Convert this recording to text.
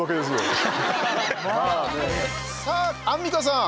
さあ、アンミカさん。